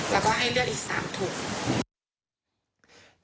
แล้วก็ให้เลือดอีก๓ถุง